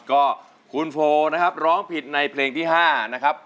ก็คุณโฟนะครับร้องผิดในเพลงที่๕นะครับ